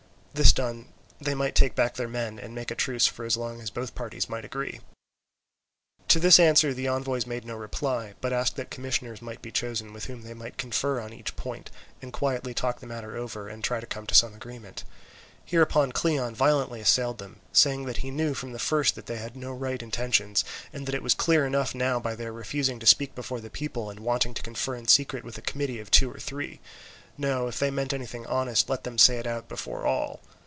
This done they might take back their men, and make a truce for as long as both parties might agree. To this answer the envoys made no reply, but asked that commissioners might be chosen with whom they might confer on each point, and quietly talk the matter over and try to come to some agreement. Hereupon Cleon violently assailed them, saying that he knew from the first that they had no right intentions, and that it was clear enough now by their refusing to speak before the people, and wanting to confer in secret with a committee of two or three. No, if they meant anything honest let them say it out before all.